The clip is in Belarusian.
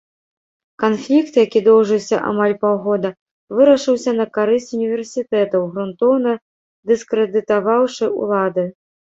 Канфлікт, які доўжыўся амаль паўгода, вырашыўся на карысць універсітэтаў, грунтоўна дыскрэдытаваўшы улады.